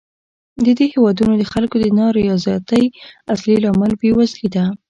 د دې هېوادونو د خلکو د نا رضایتۍ اصلي لامل بېوزلي ده.